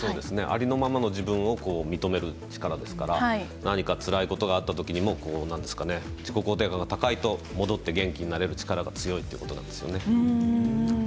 ありのままの自分を認める力ですから何かつらいことがあったときにも自己肯定感が高いと戻って元気になれる力が強いということなんですね。